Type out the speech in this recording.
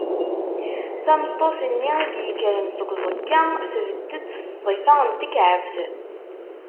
Tameṭṭut-nni i d-yekkren seg uẓekka, tbedd-d s ṣṣifa n tekɛebt.